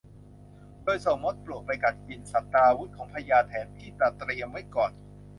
โดยส่งมดปลวกไปกัดกินศัตราวุธของพญาแถนที่ตระเตรียมไว้ก่อน